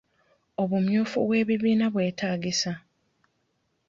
Obumyufu bw'ebibiina bwetaagisa?